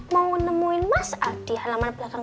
mau nemuin mas di halaman belakang